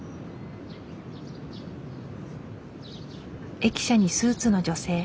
駅舎にスーツの女性。